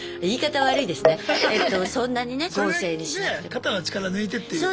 肩の力抜いてっていう。